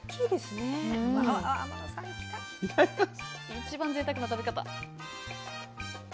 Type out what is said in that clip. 一番ぜいたくな食べ方。